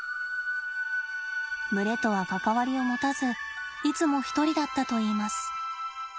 群れとは関わりを持たずいつも一人だったといいます。